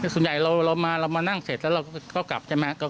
ส่วนใหญ่เรามานั่งเสร็จแล้วเราก็กลับใช่ไหม